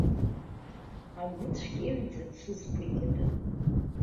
Агәыцә кьеҩӡа сызқәа икыдын.